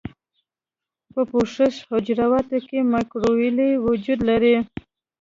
په پوښښي حجراتو کې مایکروویلې وجود لري.